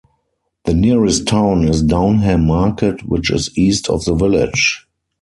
The nearest town is Downham Market which is east of the village.